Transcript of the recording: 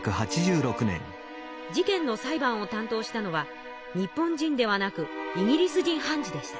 事件の裁判を担当したのは日本人ではなくイギリス人判事でした。